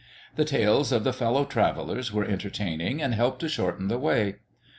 The tales of the fellow travellers were entertaining and helped to shorten the way.